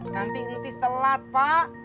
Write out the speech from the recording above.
nanti ntis telat pak